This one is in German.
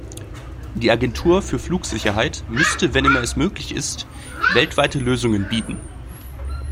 Die Agentur für Flugsicherheit müsste wenn immer es möglich ist weltweite Lösungen bieten.